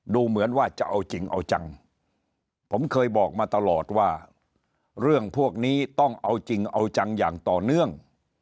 ดูเหมือนว่าจะเอาจริงเอาจังผมเคยบอกมาตลอดว่าเรื่องพวกนี้ต้องเอาจริงเอาจังอย่างต่อเนื่อง